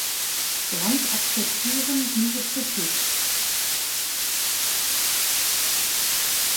Brandt akzeptieren diese Kritik.